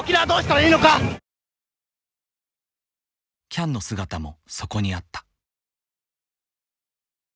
喜屋武の姿もそこにあった。